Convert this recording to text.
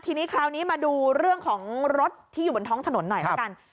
ทีนี้คราวนี้มาดูเรื่องของรถที่อยู่บนท้องถนนหน่อยละกัน